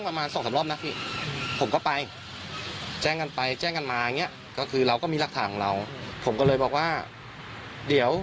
ได้อย่างนี้ก็คือ๑๙๘๖พ่อไป